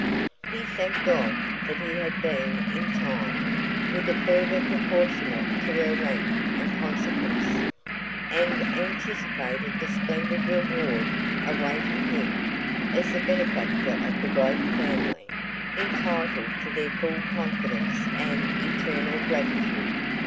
He thanked God that he had been in time with a fervour proportionate to her rank and consequence and anticipated the splendid reward awaiting him as the benefactor of the great family, entitled to their full confidence and eternal gratitude.